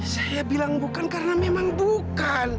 saya bilang bukan karena memang bukan